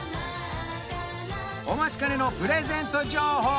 お待ちかねのプレゼント情報